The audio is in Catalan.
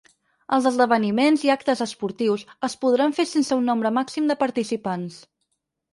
Els esdeveniments i actes esportius es podran fer sense un nombre màxim de participants.